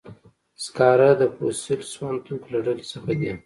سکاره د فوسیل سون توکو له ډلې څخه دي.